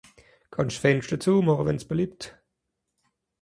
Kann'sch s'Fenschter züemache wann's beliebt?